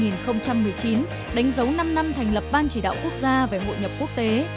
năm hai nghìn một mươi chín đánh dấu năm năm thành lập ban chỉ đạo quốc gia về hội nhập quốc tế